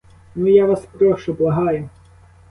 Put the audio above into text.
Ну, я вас прошу, благаю.